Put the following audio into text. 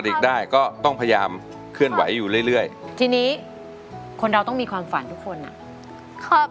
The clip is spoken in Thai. เด็กได้ก็ต้องพยายามเคลื่อนไหวอยู่เรื่อยเรื่อยทีนี้คนเราต้องมีความฝันทุกคนอ่ะครับ